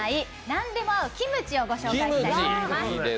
何でも合うキムチを御紹介したいと思います。